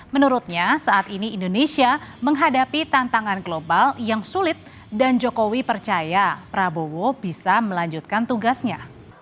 menurutnya saat ini indonesia menghadapi tantangan global yang sulit dan jokowi percaya prabowo bisa melanjutkan tugasnya